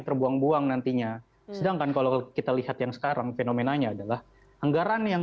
terima kasih atas kesempatan